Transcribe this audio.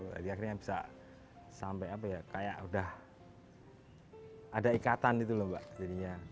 jadi akhirnya bisa sampai kayak udah ada ikatan gitu loh mbak jadinya